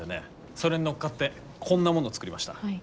それに乗っかってこんなものを作りました。